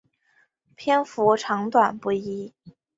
篇幅长短不一。